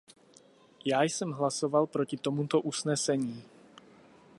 Já jsem hlasoval proti tomuto usnesení.